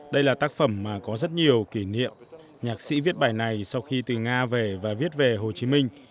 đây là tác phẩm mà có rất nhiều kỷ niệm nhạc sĩ viết bài này sau khi từ nga về và viết về hồ chí minh